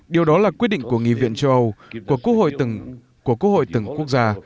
điều đó là quyết định của nghị viện châu âu của quốc hội từng quốc gia